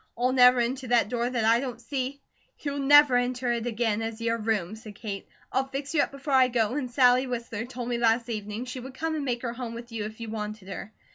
I'll never enter that door that I don't see " "You'll never enter it again as your room," said Kate. "I'll fix you up before I go; and Sally Whistler told me last evening she would come and make her home with you if you wanted her.